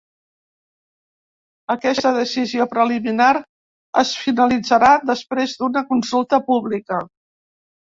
Aquesta decisió preliminar es finalitzarà després d'una consulta pública.